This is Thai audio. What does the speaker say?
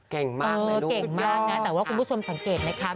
เก่งมากเก่งมากนะแต่ว่าคุณผู้ชมสังเกตไหมคะ